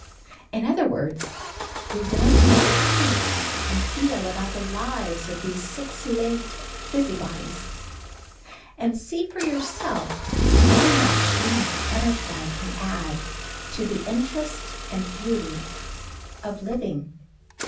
In other words, we want you to think and feel about the lives of these six legged busybodies, and see for yourselves how much even a butterfly can add to the interest and beauty of living.